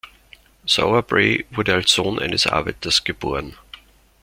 Sauerbrey wurde als Sohn eines Arbeiters geboren.